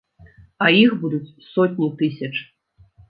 А іх будуць сотні тысяч.